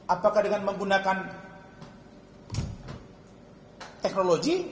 apakah dengan menggunakan teknologi